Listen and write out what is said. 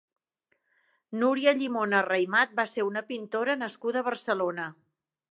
Núria Llimona Raymat va ser una pintora nascuda a Barcelona.